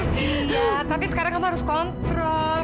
tapi sekarang kamu harus kontrol